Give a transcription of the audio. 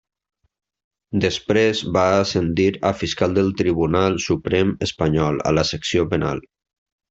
Després va ascendir a fiscal del Tribunal Suprem espanyol a la secció penal.